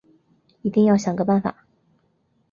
一定要想个办法